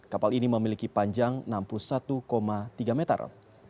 kapal ini memiliki panjang enam puluh satu tiga meter